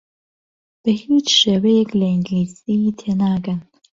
بە هیچ شێوەیەک لە ئینگلیزی تێناگەن.